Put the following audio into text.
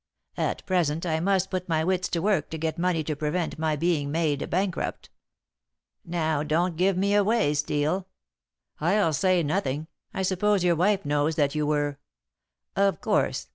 At present I must put my wits to work to get money to prevent my being made a bankrupt. Now don't give me away, Steel." "I'll say nothing. I suppose your wife knows that you were " "Of course.